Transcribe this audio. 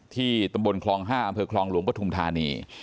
ตำบลคลอง๕อำเภอคลองหลวงปฐุมธานี